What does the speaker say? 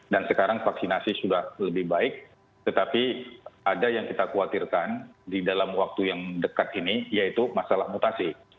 dan sekarang vaksinasi sudah lebih baik tetapi ada yang kita khawatirkan di dalam waktu yang dekat ini yaitu masalah mutasi